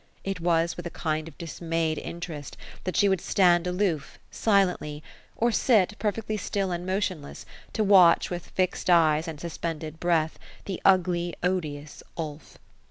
It was with a kind of dismayed interest, that she would stand aloof, silently ; or sit, perfectly still and motionless, to watch, with fixed eyes, and suspended breath, the ugly odious Ulf.